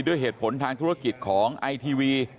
ด้วยเหตุผลทางธุรกิจของไอทีวี